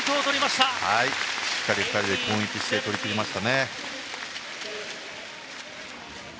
しっかり２人で攻撃して取り切りましたね。